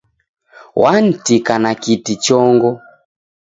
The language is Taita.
Wantika na kiti chongo